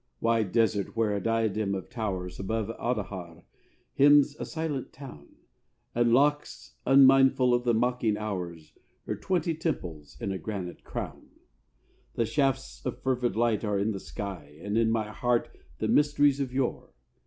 Wide desert where a diadem of towers Above Adajar hems a silent town, And locks, unmindful of the mocking hours, Her twenty temples in a granite crown. The shafts of fervid light are in the sky, And in my heart the mysteries of yore.